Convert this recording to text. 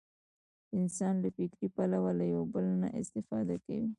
انسان له فکري پلوه له یو بل نه استفاده کړې.